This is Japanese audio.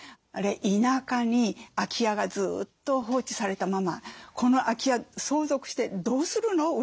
あるいは田舎に空き家がずっと放置されたままこの空き家相続してどうするの？